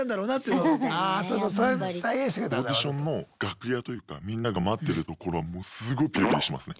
オーディションの楽屋というかみんなが待ってるところはすごいピリピリしてますね。